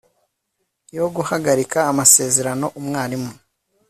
yo guhagarika amasezerano umwarimu